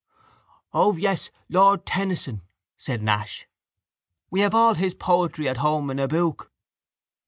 —O, yes, Lord Tennyson, said Nash. We have all his poetry at home in a book.